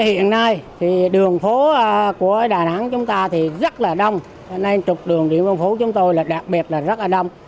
hiện nay thì đường phố của đà nẵng chúng ta thì rất là đông nên trục đường điểm văn phố chúng tôi là đặc biệt là rất là đông